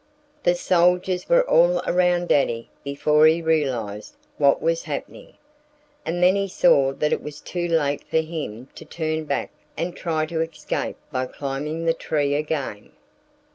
The soldiers were all around Daddy before he realized what was happening. And then he saw that it was too late for him to turn back and try to escape by climbing the tree again.